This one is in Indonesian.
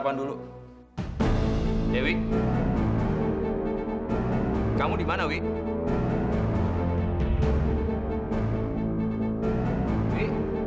kau memang dewi